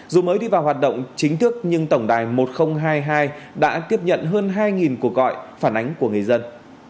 dù mới đi vào hoạt động chính thức nhưng tổng đài một nghìn hai mươi hai đã tiếp nhận hơn hai cuộc gọi phản ánh của người dân